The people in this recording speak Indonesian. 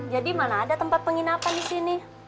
jadi mana ada tempat penginapan di sini